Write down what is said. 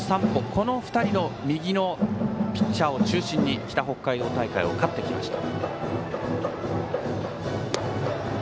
この２人の右ピッチャーを中心に北北海道大会を勝ってきました。